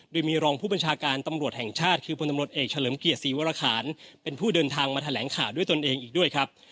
โดยมีรองผู้บัญชาการตำรวจแห่งชาติคือพลตำรวจเอกเฉลิมเกียรติศรีวรคารเป็นผู้เดินทางมาแถลงข่าวด้วยตนเองอีกด้วยครับ